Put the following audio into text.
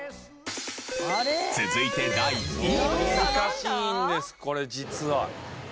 続いて第２位。